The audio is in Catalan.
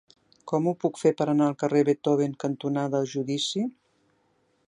Com ho puc fer per anar al carrer Beethoven cantonada Judici?